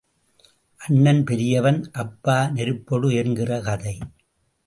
அண்ணன் பெரியவன் அப்பா நெருப்பெடு என்கிற கதை.